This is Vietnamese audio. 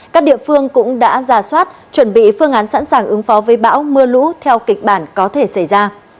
các địa phương cũng đã ra soát chuẩn bị phương án sẵn sàng ứng phó với bão mưa lũ theo kịch bản có thể xảy ra